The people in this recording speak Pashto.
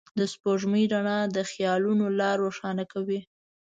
د سپوږمۍ رڼا د خيالونو لاره روښانه کوي.